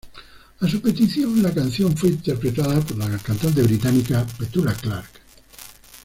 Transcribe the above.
A su petición, la canción fue interpretada por la cantante británica Petula Clark.